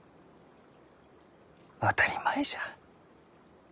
当たり前じゃ。